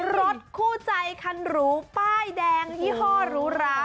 รถคู่ใจคันหรูป้ายแดงยี่ห้อหรูหรา